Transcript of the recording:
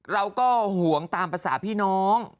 เราก็ห่วงตามภาษาพี่น้อง